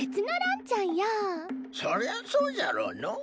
そりゃあそうじゃろうのう。